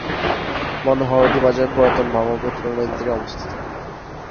মনোহরদী বাজার পুরাতন ব্রহ্মপুত্র নদীর তীরে অবস্থিত।